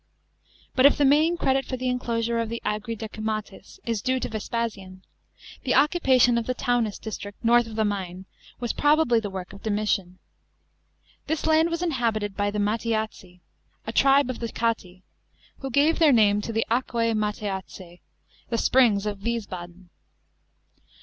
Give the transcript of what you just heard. § 9. But if the main credit for the enclosure of the Agri Decumates is due to Vespasian, the occupation of the Taunus district north of the Main was probably the work of Domitian. This land was inhabited by the Mattiaci, a tribe of the Chatti, who gave their name to the Accuse Matfacas (the springs of Wiesbaden).